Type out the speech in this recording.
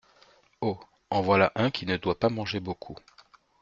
Oh ! en voilà un qui ne doit pas manger beaucoup …